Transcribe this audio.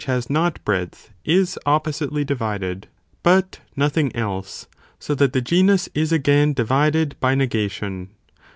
has not breadth, is oppositely divided, but nothing else, so that the genus is again divided by negation.